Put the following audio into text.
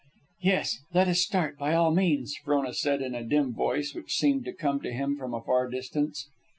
"Yes; let us start, by all means," Frona said in a dim voice, which seemed to come to him from a far distance.